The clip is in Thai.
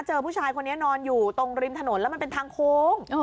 เจอผู้ชายคนนี้นอนอยู่ตรงริมถนนแล้วมันเป็นทางโค้ง